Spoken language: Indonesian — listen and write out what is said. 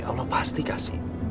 allah pasti kasih